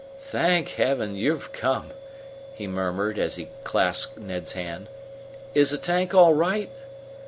"Thank Heaven, you've come!" he murmured, as he clasped Ned's hand. "Is the tank all right?"